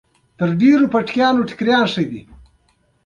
انتحاري عملیات وشي وايي سیاست لاس دی